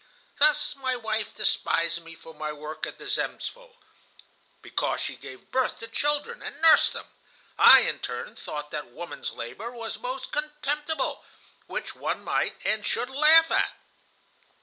"Thus my wife despised me for my work at the Zemstvo, because she gave birth to children and nursed them. I, in turn, thought that woman's labor was most contemptible, which one might and should laugh at.